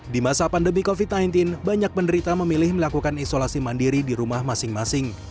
di masa pandemi covid sembilan belas banyak penderita memilih melakukan isolasi mandiri di rumah masing masing